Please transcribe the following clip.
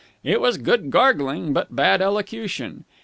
It was good gargling, but bad elocution.